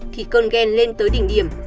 thì cơn ghen lên tới đỉnh điểm